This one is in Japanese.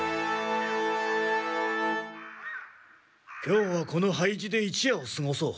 今日はこの廃寺で一夜を過ごそう。